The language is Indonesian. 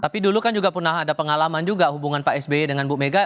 tapi dulu kan juga pernah ada pengalaman juga hubungan pak sby dengan bu mega